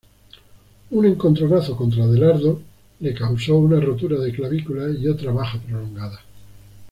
Un encontronazo contra Adelardo le causó una rotura de clavícula y otra baja prolongada.